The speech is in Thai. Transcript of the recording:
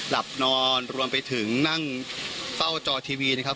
หลับนอนรวมไปถึงนั่งเฝ้าจอทีวีนะครับ